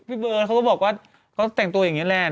พี่เบิร์ทเขาบอกว่ะเขาแต่งตัวอย่างนี้น่ารัก